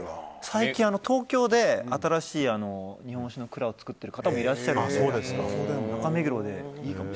最近東京で新しい日本酒の蔵を作っている方もいらっしゃるので中目黒でも。